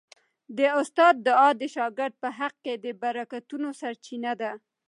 د استاد دعا د شاګرد په حق کي د برکتونو سرچینه ده.